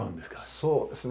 そうですね